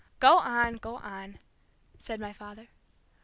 "Go on, go on," said my father.